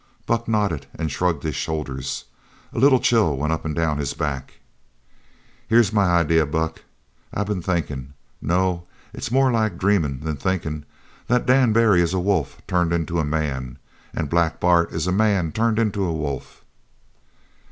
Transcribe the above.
Buck nodded and shrugged his shoulders. A little chill went up and down his back. "Here's my idea, Buck. I've been thinkin' no, it's more like dreamin' than thinkin' that Dan Barry is a wolf turned into a man, an' Black Bart is a man turned into a wolf."